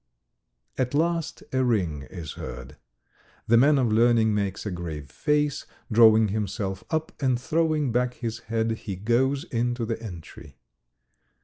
At last a ring is heard. The man of learning makes a grave face; drawing himself up, and, throwing back his head, he goes into the entry.